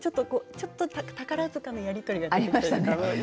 ちょっと宝塚のやり取りがね。ありましたね。